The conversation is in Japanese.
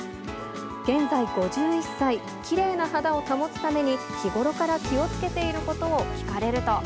現在５１歳、きれいな肌を保つために日頃から気をつけていることを聞かれると。